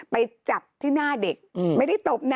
ไปจับที่หน้าเด็กไม่ได้ตบนะ